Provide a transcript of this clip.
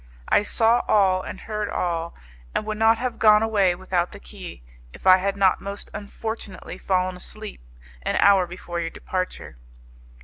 I saw all and heard all, and you would not have gone away without the key if I had not, most unfortunately, fallen asleep an hour before your departure.